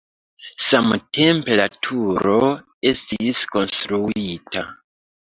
Samtempe la turo estis konstruita.